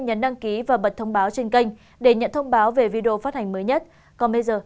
nhắn đăng ký và bật thông báo trên kênh để nhận thông báo về video phát hành mới nhất còn bây giờ